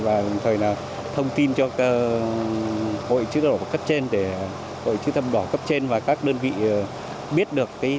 và thông tin cho hội chia thập đỏ cấp trên hội chia thập đỏ cấp trên và các đơn vị biết được